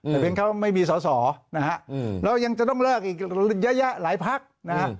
แต่เป็นเขาไม่มีสอสอนะฮะเรายังจะต้องเลิกอีกเยอะแยะหลายพักนะฮะ